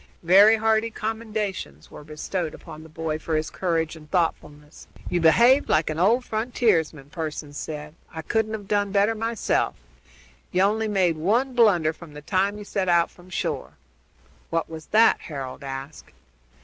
Very hearty were the commendations bestowed on the boy for his courage and thoughtfulness. "You behaved like an old frontiersman," Pearson said. "I couldn't have done better myself. You only made one blunder from the time you set out from shore." "What was that?" Harold asked.